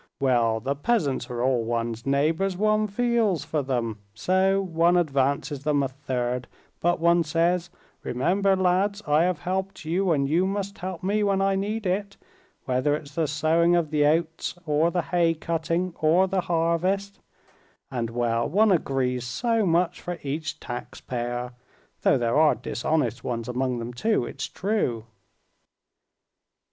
Well, the peasants are all one's neighbors; one feels for them. So one advances them a third, but one says: 'Remember, lads, I have helped you, and you must help me when I need it—whether it's the sowing of the oats, or the haycutting, or the harvest'; and well, one agrees, so much for each taxpayer—though there are dishonest ones among them too, it's true."